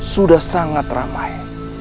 sudah sangat ramai